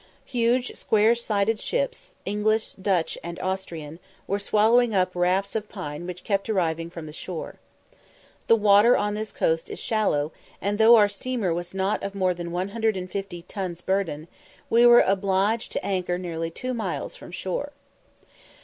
Huge square sided ships, English, Dutch, and Austrian, were swallowing up rafts of pine which kept arriving from the shore. The water on this coast is shallow, and, though our steamer was not of more than 150 tons burthen, we were obliged to anchor nearly two miles from shore.